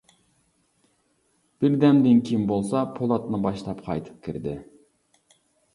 بىردەمدىن كېيىن بولسا پولاتنى باشلاپ قايتىپ كىردى.